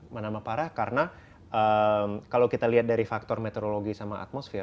menambah parah karena kalau kita lihat dari faktor meteorologi sama atmosfer